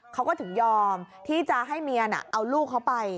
เขาก็ถึงยอมที่จะให้เมียน่ะเอาลูกเขาไป